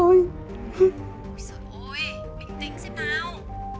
bình tĩnh xíu nào